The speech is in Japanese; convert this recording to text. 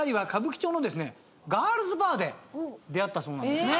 ガールズバーで出会ったそうなんですね。